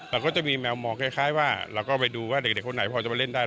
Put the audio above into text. เราก็จะมีแมวมองคล้ายว่าเราก็ไปดูว่าเด็กคนไหนพอจะไปเล่นได้